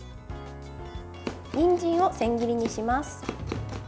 にんじんを千切りにします。